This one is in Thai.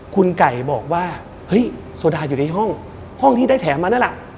คุณไก่บอกว่าเฮ้ยโซดาอยู่ในห้องห้องที่ได้แถมมานั่นแหละ